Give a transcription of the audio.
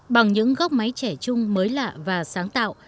bằng những góc máy trẻ chung mới lạ và sáng tạo